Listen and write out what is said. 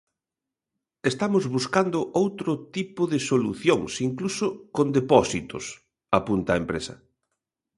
"Estamos buscando outro tipo de solucións, incluso con depósitos", apunta a empresa.